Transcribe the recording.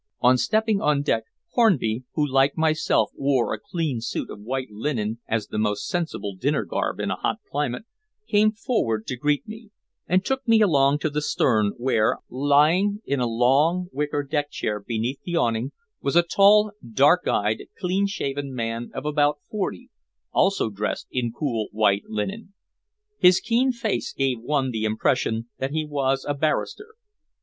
On stepping on deck Hornby, who like myself wore a clean suit of white linen as the most sensible dinner garb in a hot climate, came forward to greet me, and took me along to the stern where, lying in a long wicker deck chair beneath the awning, was a tall, dark eyed, clean shaven man of about forty, also dressed in cool white linen. His keen face gave one the impression that he was a barrister.